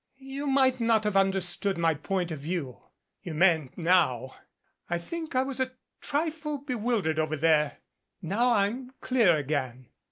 "You might not have understood my point of view. You mayn't now. I think I was a trifle bewildered over there. Now I'm clear again."